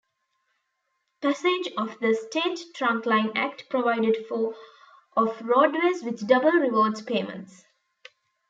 Passage of the "State Trunkline Act" provided for of roadways with double rewards payments.